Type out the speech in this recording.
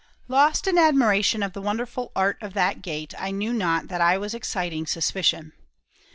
Lost in admiration of the wonderful art of that gate I knew not that I was exciting suspicion.